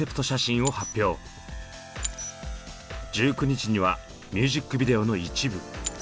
１９日にはミュージックビデオの一部。